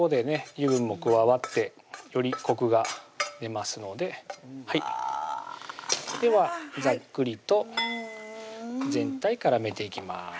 油分も加わってよりコクが出ますのでうわではざっくりと全体絡めていきます